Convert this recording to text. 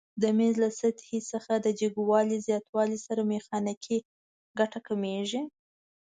د میز له سطحې څخه د جګوالي زیاتوالي سره میخانیکي ګټه کمیږي؟